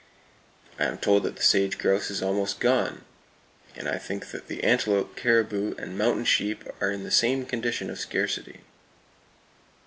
I am told that the sage grouse is almost "gone"; and I think that the antelope, caribou, and mountain sheep are in the same condition of scarcity.